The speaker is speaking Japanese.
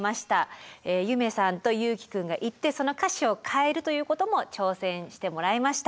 夢さんと優樹くんが行ってその歌詞を変えるということも挑戦してもらいました。